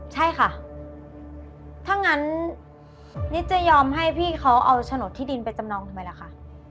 ใช่ค่ะถ้างั้นนิดจะยอมให้พี่เขาเอาโฉนดที่ดินไปจำนองทำไมล่ะคะ